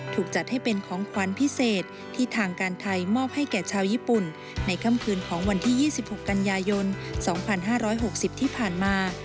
จัดให้เป็นของขวัญพิเศษที่ทางการไทยมอบให้แก่ชาวญี่ปุ่นในค่ำคืนของวันที่๒๖กันยายน๒๕๖๐ที่ผ่านมา